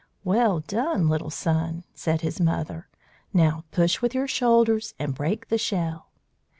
"Well done, little son," said his mother. "Now push with your shoulders and break the shell."